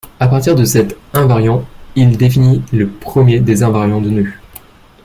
À partir de cet invariant, il définit le premier des invariants de nœuds.